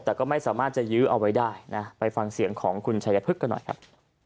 แต่ก็ไม่สามารถจะยื้อเอาไว้ได้นะไปฟังเสียงของคุณชายพึกกันหน่อยครับ